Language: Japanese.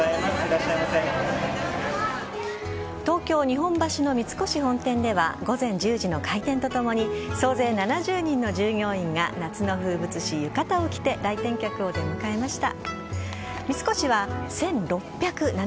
東京・日本橋の三越本店では午前１０時の開店とともに総勢７０人の従業員が夏の風物詩・浴衣を着て来店客を出迎えました。